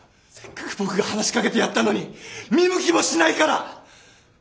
せっかく僕が話しかけてやったのに見向きもしないから！